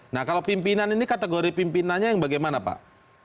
nah kalau pimpinan ini kategori pimpinannya yang bagaimana pak